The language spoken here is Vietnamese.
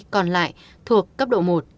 còn lại thuộc cấp độ một